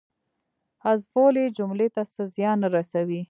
حذفول یې جملې ته څه زیان نه رسوي.